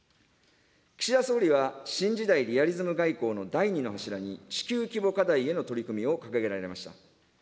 岸田総理は、新時代リアリズム外交の第２の柱に、地球規模課題への取り組みを掲げられました。